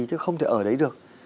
thế không thể ở đấy được